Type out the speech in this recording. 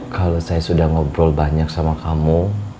kalau saya sudah ngobrol banyak sama kamu